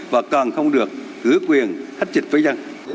và còn không được gửi quyền hắt chịch với dân